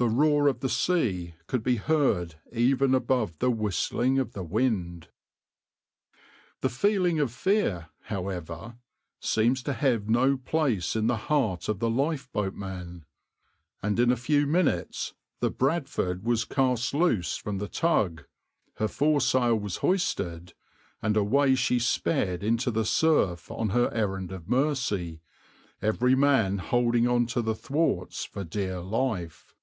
The roar of the sea could be heard even above the whistling of the wind.\par The feeling of fear, however, seems to have no place in the heart of the lifeboatman, and in a few minutes the {\itshape{Bradford}} was cast loose from the tug, her foresail was hoisted, and away she sped into the surf on her errand of mercy, every man holding on to the thwarts for dear life.